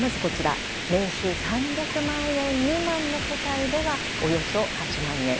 年収３００万円未満の世帯ではおよそ８万円。